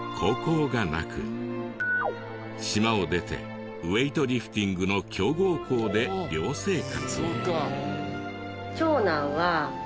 島を出てウエイトリフティングの強豪校で寮生活。